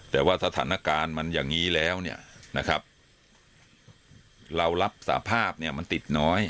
แต่ว่าสถานการณ์มันอย่างนี้แล้วเนี่ยนะครับเรารับสภาพเนี่ยมันติดน้อย